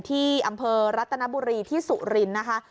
ที่อำเภอรัตนบุรีที่สุรินทร์นะคะ